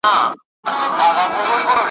بس په پزه به پېزوان وړي په پېغور کي `